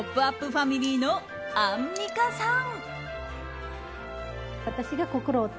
ファミリーのアンミカさん。